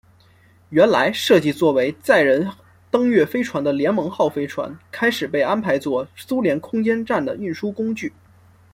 原来设计做为载人登月飞船的联盟号飞船开始被安排做苏联空间站的运输工具。